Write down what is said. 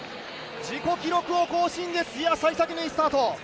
自己記録を更新です、さい先のいいスタート。